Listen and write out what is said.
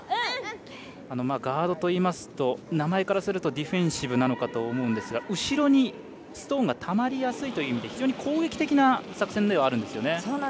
ガードといいますと名前からするとディフェンシブかと思いますけど後ろにストーンがたまりやすいという意味で非常に攻撃的な作戦ではあるんですよね。